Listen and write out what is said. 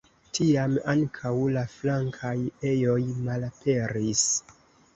Tiam ankaŭ la flankaj ejoj malaperis.